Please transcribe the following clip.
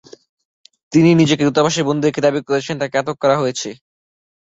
তিনি নিজেকে দূতাবাসে বন্দী রেখে দাবি করছেন, তাঁকে আটক করা হয়েছে।